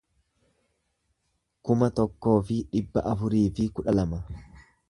kuma tokkoo fi dhibba afurii fi kudha lama